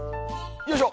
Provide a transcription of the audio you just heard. よいしょ！